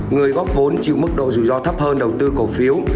người góp vốn chịu mức độ rủi ro thấp hơn đầu tư cổ phiếu